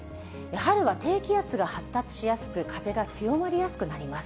春は低気圧が発達しやすく、風が強まりやすくなります。